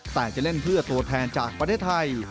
แต่จะเล่นเพื่อตัวแทนจากประเทศไทย